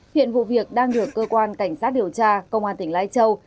hiện vụ việc đang được cơ quan cảnh sát điều tra công an tỉnh lai châu